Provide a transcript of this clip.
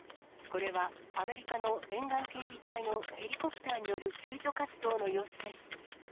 これは、アメリカの沿岸警備隊のヘリコプターによる救助活動の様子です。